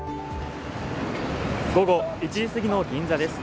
午後１時すぎの銀座です。